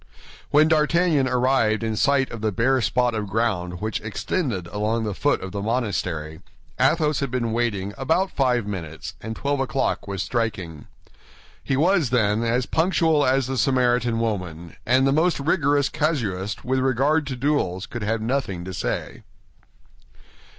When D'Artagnan arrived in sight of the bare spot of ground which extended along the foot of the monastery, Athos had been waiting about five minutes, and twelve o'clock was striking. He was, then, as punctual as the Samaritan woman, and the most rigorous casuist with regard to duels could have nothing to say.